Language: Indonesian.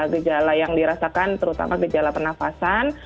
gejala yang dirasakan terutama gejala pernafasan